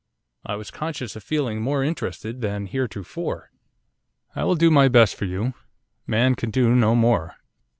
I was conscious of feeling more interested than heretofore. 'I will do my best for you. Man can do no more.